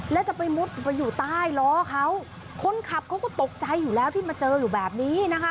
แล้วจะไปมุดไปอยู่ใต้ล้อเขาคนขับเขาก็ตกใจอยู่แล้วที่มาเจออยู่แบบนี้นะคะ